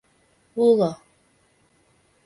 Уло